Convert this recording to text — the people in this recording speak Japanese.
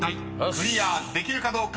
クリアできるかどうか］